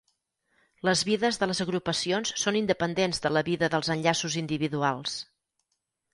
Les vides de les agrupacions són independents de la vida dels enllaços individuals.